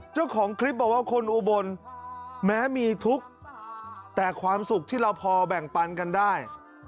เจ้าของคลิปบอกว่าคนอุบลแม้มีทุกข์แต่ความสุขที่เราพอแบ่งปันกันได้